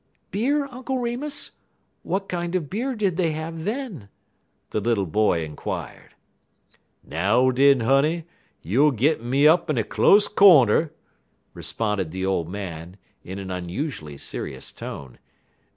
_'" "Beer, Uncle Remus? What kind of beer did they have then?" the little boy inquired. "Now, den, honey, youer gittin' me up in a close cornder," responded the old man, in an unusually serious tone.